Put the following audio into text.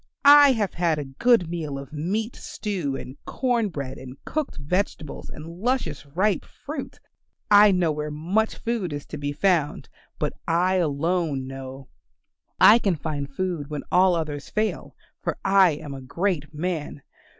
I have had a good meal of meat stew and corn bread and cooked vegetables and luscious ripe fruit. I know where much food is to be found, but I alone know. I can find food when all others fail, for I am a great man.